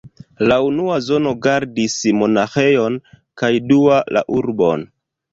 La unua zono gardis monaĥejon kaj dua la urbon.